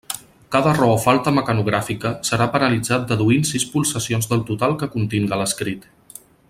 Cada error o falta mecanogràfica serà penalitzat deduint sis pulsacions del total que continga l'escrit.